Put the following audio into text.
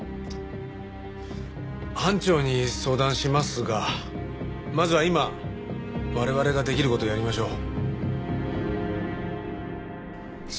班長に相談しますがまずは今我々ができる事をやりましょう。